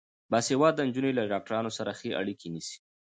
باسواده نجونې له ډاکټرانو سره ښه اړیکه نیسي.